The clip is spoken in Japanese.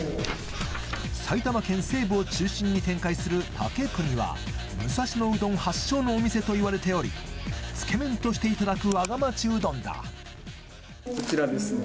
埼玉県西部を中心に展開する竹國は武蔵野うどん発祥のお店といわれておりつけ麺としていただくわが町うどんだこちらですね